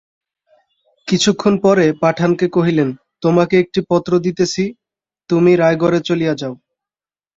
কিছুক্ষণ পরে পাঠানকে কহিলেন, তোমাকে একটি পত্র দিতেছি তুমি রায়গড়ে চলিয়া যাও।